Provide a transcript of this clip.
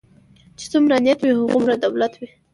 چی څومره نيت وي هغومره دولت وي .